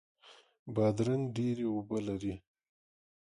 بادرنګ ډیرې اوبه لري.